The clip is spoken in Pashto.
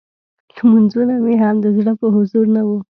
لمونځونه مې هم د زړه په حضور نه وو.